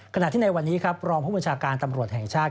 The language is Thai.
ขณะที่ในวันนี้ครับรองผู้บัญชาการตำรวจแห่งชาติ